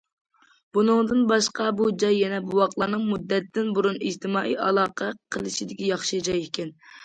بۇنىڭدىن باشقا، بۇ جاي يەنە بوۋاقلارنىڭ مۇددەتتىن بۇرۇن ئىجتىمائىي ئالاقە قىلىشىدىكى ياخشى جاي ئىكەن.